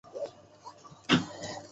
其可被描述为可观测变异。